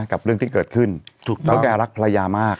กับเรื่องที่เกิดขึ้นถูกต้องเพราะแกรักภรรยามาก